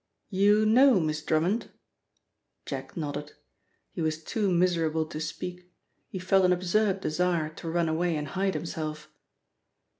"You know Miss Drummond?" Jack nodded. He was too miserable to speak; he felt an absurd desire to run away and hide himself.